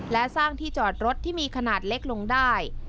และสร้างที่จอดรถที่มีขนาดเล็กลงได้